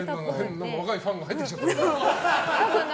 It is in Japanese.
変なファンが入ってきちゃった。